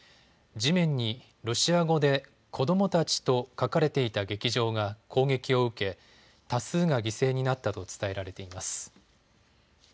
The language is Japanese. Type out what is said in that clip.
地面にロシア語で子どもたちと書かれていた劇場が攻撃を受け多数が犠牲になったと伝えられています。